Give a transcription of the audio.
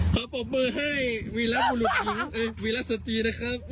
ขอปรบมือให้วีลักษณ์สตีนะครับ